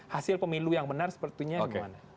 hasil pemilu yang benar sepertinya dan bagaimana